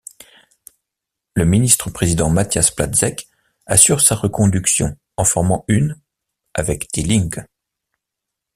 Le ministre-président Matthias Platzeck assure sa reconduction en formant une avec Die Linke.